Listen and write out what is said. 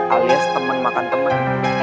alias temen makan temen